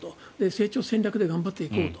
成長戦略で頑張っていこうと。